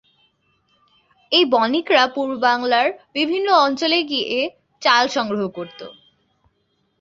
এই বণিকরা পূর্ব বাংলার বিভিন্ন অঞ্চলে গিয়ে চাল সংগ্রহ করত।